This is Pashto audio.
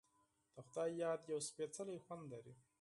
د خدای یاد یو سپیڅلی خوند لري.